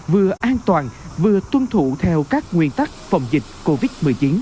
vừa an toàn vừa tuân thủ theo các nguyên tắc phòng dịch covid một mươi chín